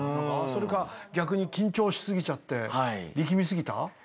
それか逆に緊張しすぎちゃって力みすぎた？